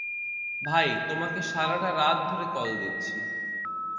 ভাই, তোমাকে সারাটা রাত ধরে কল দিচ্ছি!